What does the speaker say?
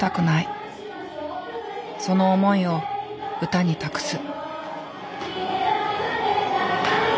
その思いを歌に託す。